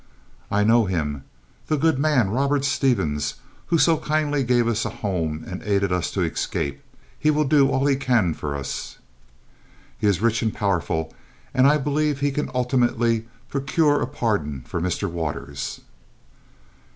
"I know him. The good man, Robert Stevens, who so kindly gave us a home and aided us to escape. He will do all he can for us." "He is rich and powerful, and I believe he can ultimately procure a pardon for Mr. Waters."